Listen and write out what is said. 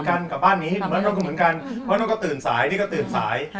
ก็เหมือนกันกับบ้านนี้เพราะนั้นก็ตื่นสายนี่ก็ตื่นสาย